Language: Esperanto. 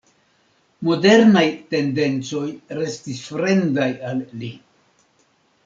Modernaj tendencoj restis fremdaj al li.